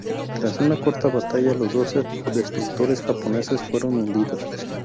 Tras una corta batalla, los dos destructores japoneses fueron hundidos.